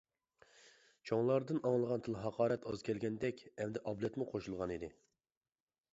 چوڭلاردىن ئاڭلىغان تىل-ھاقارەت ئاز كەلگەندەك ئەمدى ئابلەتمۇ قوشۇلغانىدى.